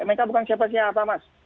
mereka bukan siapa siapa mas